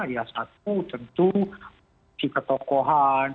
ya satu tentu si ketokohan